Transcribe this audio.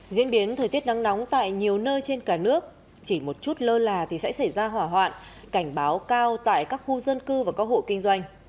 diễn biến thời tiết nắng nóng tại nhiều nơi trên cả nước chỉ một chút lơ là thì sẽ xảy ra hỏa hoạn cảnh báo cao tại các khu dân cư và các hộ kinh doanh